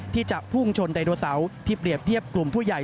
ที่จะพุ่งชนไดโนเสาร์ที่เปรียบเทียบกลุ่มผู้ใหญ่